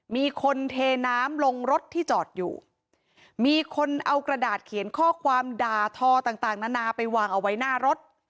มีคนเทน้ำลงรถที่จอดอยู่มีคนเอากระดาษเขียนข้อความด่าทอต่างนานาไปวางเอาไว้หน้ารถ